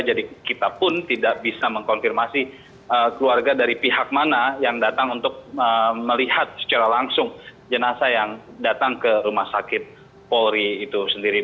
jadi kita pun tidak bisa mengkonfirmasi keluarga dari pihak mana yang datang untuk melihat secara langsung jenazah yang datang ke rumah sakit polri itu sendiri